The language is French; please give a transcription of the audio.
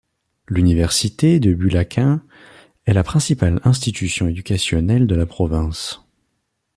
L'Université de Bulacain est la principale institution éducationnelle de la province.